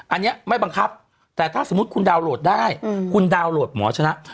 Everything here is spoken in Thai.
อันนี้ไม่บังคับแต่ถ้าสมมุติคุณดาวนโหลดได้คุณดาวนโหลดหมอชนะ